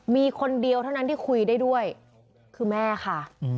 มีคนเดียวเท่านั้นที่คุยได้ด้วยคือแม่ค่ะ